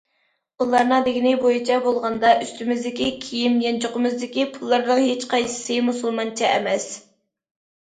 ئۇلارنىڭ دېگىنى بويىچە بولغاندا، ئۈستىمىزدىكى كىيىم، يانچۇقىمىزدىكى پۇللارنىڭ ھېچقايسىسى مۇسۇلمانچە ئەمەس.